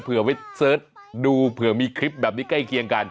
เผื่อไว้เสิร์ชดูเผื่อมีคลิปแบบนี้ใกล้เคียงกัน